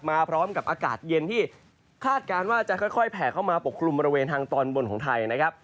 มาพร้อมกับอากาศเย็นที่คาดการณ์ว่าจะค่อยแผ่เข้ามาปกคลุมบริเวณทางตอนบนของไทยนะครับ